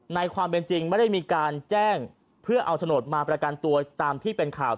ในความเป็นจริงไม่ได้มีการแจ้งเพื่อเอาโฉนดมาประกันตัวตามที่เป็นข่าว